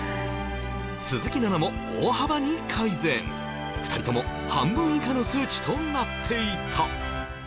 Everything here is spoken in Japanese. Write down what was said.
鈴木奈々も大幅に改善２人とも半分以下の数値となっていた